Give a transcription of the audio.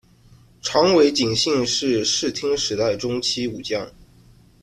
长尾景信是室町时代中期武将。